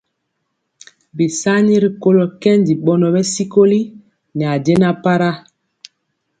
Bisani rikolo kɛndi bɔnɔ bɛ sikoli ne jɛna para.